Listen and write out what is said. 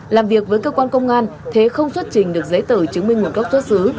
làm việc với cơ quan công an thế không xuất trình được giấy tờ chứng minh nguồn gốc xuất xứ